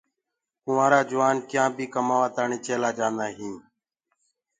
ڪنٚوُآرآ نوجوآن ڪيآئينٚ بي ڪمآوآ تآڻي چيلآ جآندآ هينٚ۔